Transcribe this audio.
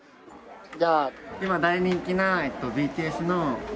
じゃあ今大人気なＢＴＳのテテ。